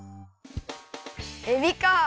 えびか。